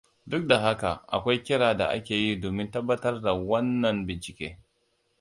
Duk da haka, akwai kira da ake yi domin tabbatar da wannan bincike.